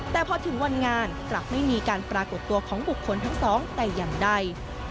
แต่พอถึงวันงานกลับไม่มีการปรากฏตัวของบุคคลทั้งสองแต่อย่างใด